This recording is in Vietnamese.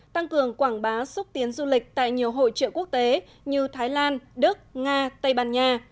tăng cường quảng bá xúc tiến du lịch tại nhiều hội trợ quốc tế như thái lan đức nga tây ban nha